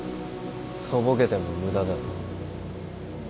とぼけても無駄だ。